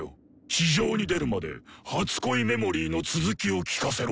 地上に出るまで「初恋メモリー」の続きを聞かせろ。